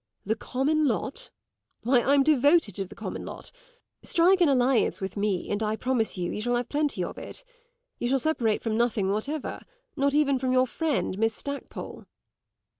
The common lot? Why, I'm devoted to the common lot! Strike an alliance with me, and I promise you that you shall have plenty of it. You shall separate from nothing whatever not even from your friend Miss Stackpole."